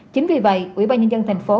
chính vì vậy ủy ban nhân dân thành phố